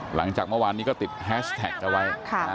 หลังจากเมื่อวานนี้ก็ติดแฮชแท็กเอาไว้